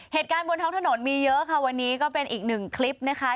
เหตุการณ์บนท้องถนนมีเยอะค่ะวันนี้ก็เป็นอีกหนึ่งคลิปนะคะ